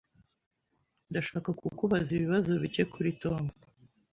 Ndashaka kukubaza ibibazo bike kuri Tom.